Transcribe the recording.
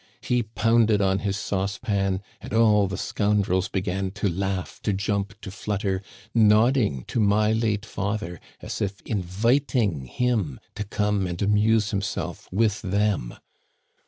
He pounded on his saucepan, and all the scoundrels began to laugh, to jump, to flutter, nodding to my late father as if inviting him to come and amuse himself with them.